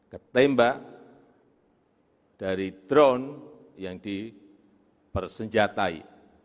ketembak dari drone yang dipersenjatai